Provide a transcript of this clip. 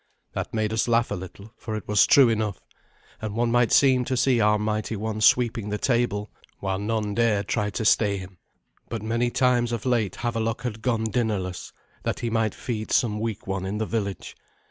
That made us laugh a little, for it was true enough; and one might seem to see our mighty one sweeping the table, while none dared try to stay him. But many times of late Havelok had gone dinnerless, that he might feed some weak one in the village.